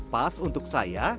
pas untuk saya